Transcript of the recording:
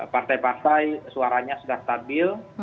partai partai suaranya sudah stabil